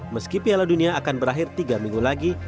meski piala dunia akan berakhir tiga minggu lagi